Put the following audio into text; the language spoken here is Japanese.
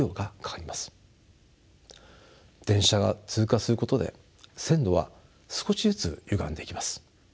電車が通過することで線路は少しずつゆがんでいきます。